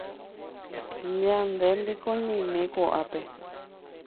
Ñandénteko ñaime ko'ápe